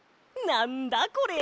なんだこれ？